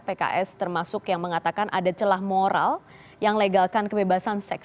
pks termasuk yang mengatakan ada celah moral yang legalkan kebebasan seks